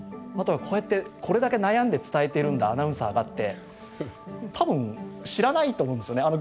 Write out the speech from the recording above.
あとはこうやってこれだけ悩んで伝えているんだアナウンサーがって多分知らないと思うんですよね。